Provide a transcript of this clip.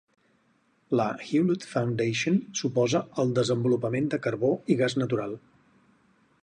La Hewlett Foundation s'oposa al desenvolupament de carbó i gas natural.